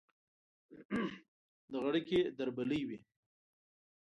د غړکې دربلۍ وي